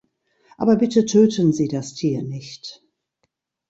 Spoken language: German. Aber bitte töten Sie das Tier nicht!